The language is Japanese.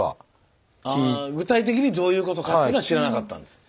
具体的にどういうことかというのは知らなかったんですね。